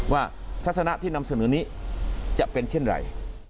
ทัศนะที่นำเสนอนี้จะเป็นเช่นไร